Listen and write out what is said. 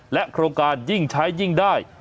โครงการยิ่งใช้ยิ่งได้